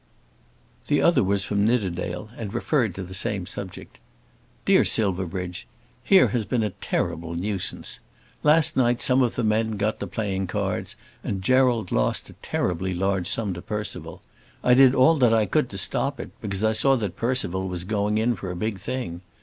The other was from Nidderdale, and referred to the same subject. DEAR SILVERBRIDGE, Here has been a terrible nuisance. Last night some of the men got to playing cards, and Gerald lost a terribly large sum to Percival. I did all that I could to stop it, because I saw that Percival was going in for a big thing.